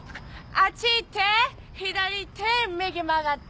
あっち行って左行って右曲がって！